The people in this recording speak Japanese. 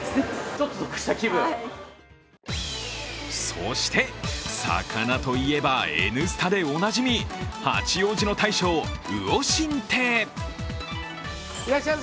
そして魚といえば、「Ｎスタ」でおなじみ、八王子の大将、魚心亭。